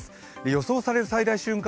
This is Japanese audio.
予想される最大瞬間